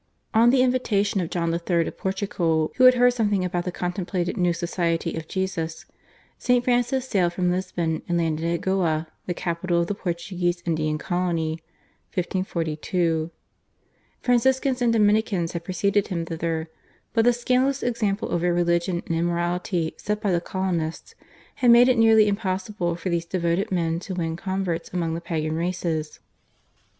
On the invitation of John III. of Portugal, who had heard something about the contemplated new Society of Jesus, St. Francis sailed from Lisbon, and landed at Goa, the capital of the Portuguese Indian colony (1542). Franciscans and Dominicans had preceded him thither, but the scandalous example of irreligion and immorality set by the colonists had made it nearly impossible for these devoted men to win converts amongst the pagan races.